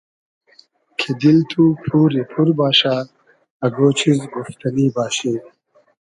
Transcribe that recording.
کی دیل تو پوری پور باشۂ اگۉ چیز گوفتئنی باشی